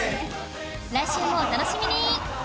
来週もお楽しみに！